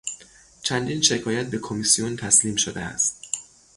چندین شکایت به کمیسیون تسلیم شده است.